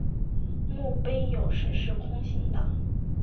墓碑有时是空心的。